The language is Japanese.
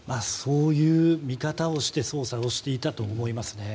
そういう見方をして捜査をしていたと思います。